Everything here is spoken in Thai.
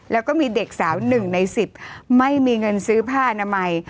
แล้วก็มีเด็กสาว๑ใน๑๐ไม่มีเงินซื้อผ้าอนามัย